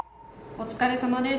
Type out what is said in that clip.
お疲れさまです。